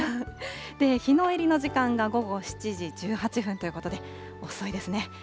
日の入りの時間が午後７時１８分ということで、遅いですね。